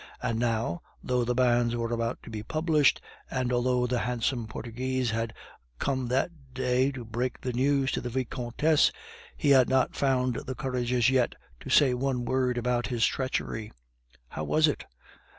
And now, though the bans were about to be published, and although the handsome Portuguese had come that day to break the news to the Vicomtesse, he had not found courage as yet to say one word about his treachery. How was it?